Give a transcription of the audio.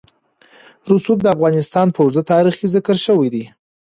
رسوب د افغانستان په اوږده تاریخ کې ذکر شوی دی.